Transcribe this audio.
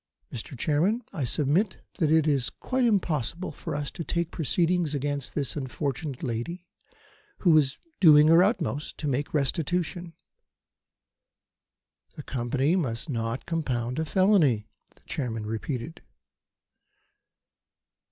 Mr. Chairman, I submit that it is quite impossible for us to take proceedings against this unfortunate lady, who is doing her utmost to make restitution." "The Company must not compound a felony," the Chairman repeated.